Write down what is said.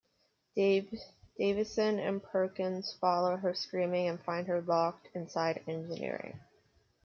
Davison and Perkins follow her screaming and find her locked inside engineering.